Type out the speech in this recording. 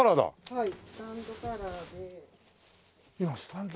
はい。